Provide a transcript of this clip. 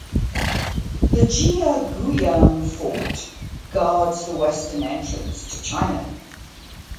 The Jiyaguyan fort guards the western entrance to China.